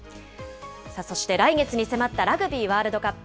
そして来月に迫ったラグビーワールドカップ。